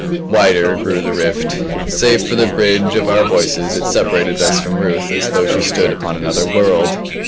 Wider grew the rift. Save for the bridge of our voices it separated us from Ruth as though she stood upon another world.